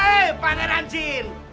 hei pangeran jin